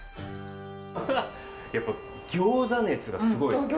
やっぱ餃子熱がすごいですね。